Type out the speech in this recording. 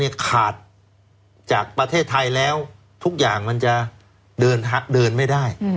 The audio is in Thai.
ขาดจากประเทศไทยแล้วทุกอย่างมันจะเดินไม่ได้